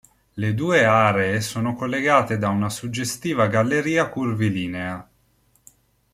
Le due aree sono collegate da una suggestiva galleria curvilinea.